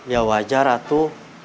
ya wajar atu